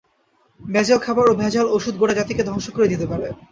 ভেজাল খাবার ও ভেজাল ওষুধ গোটা জাতিকে ধ্বংস করে দিতে পারে।